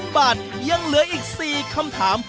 บาทยังเหลืออีก๔คำถาม